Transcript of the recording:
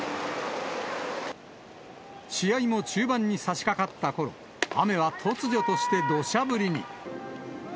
試合も中盤にさしかかったころ、雨が突如としてどしゃ降りに。